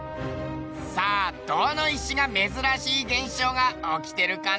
さあどの石が珍しい現象が起きてるかな？